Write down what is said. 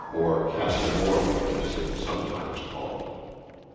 or Castle Morgan as it is sometimes called.